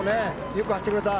よく走ってくれた。